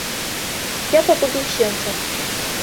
Я пабуду ў сенцах.